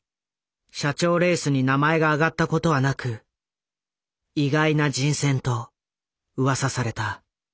社長レースに名前が挙がったことはなく意外な人選とうわさされた。